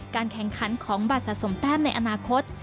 แข่งขันของบัตรสะสมแต้มในอนาคต